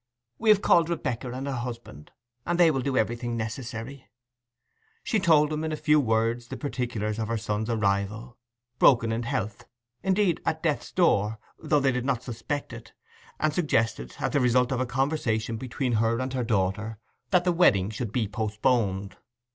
'We have called Rebekah and her husband, and they will do everything necessary.' She told him in a few words the particulars of her son's arrival, broken in health—indeed, at death's very door, though they did not suspect it—and suggested, as the result of a conversation between her and her daughter, that the wedding should be postponed.